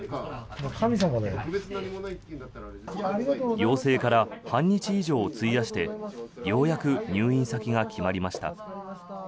要請から半日以上費やしてようやく入院先が決まりました。